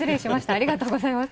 ありがとうございます。